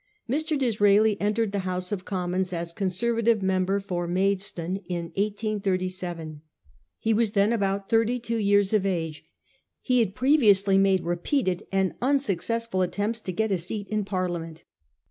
Mr. Disraeli entered the House of Commons as Conservative member for Maidstone in 1837. He was then about thirty two years of age. He had previously made repeated and unsuccessful attempts to get a seat in Parliament.